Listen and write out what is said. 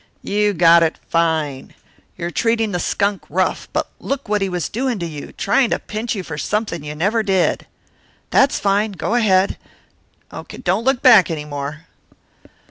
You got it fine. You're treating the skunk rough, but look what he was doing to you, trying to pinch you for something you never did. That's fine go ahead. Don't look back any more."